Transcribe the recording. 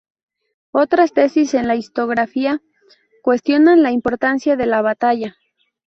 Otras tesis en la historiografía cuestionan la importancia de la batalla.